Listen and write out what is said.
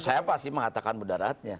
saya pasti mengatakan mudaratnya